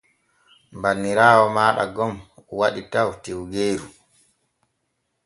Banniraawo maaɗa gon waɗi taw tiwgeeru.